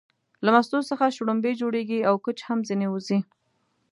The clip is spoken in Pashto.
له مستو څخه شلومبې جوړيږي او کوچ هم ځنې وځي